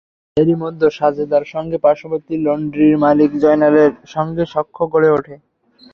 এরই মধ্যে সাজেদার সঙ্গে পার্শ্ববর্তী লন্ড্রির মালিক জয়নালের সঙ্গে সখ্য গড়ে ওঠে।